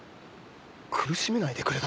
苦しめないでくれだ？